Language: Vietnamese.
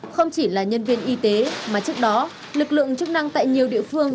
không chỉ là nhân viên y tế mà trước đó lực lượng chức năng tại nhiều địa phương